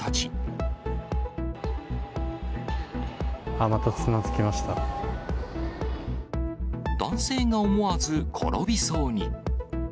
あっ、男性が思わず転びそうに。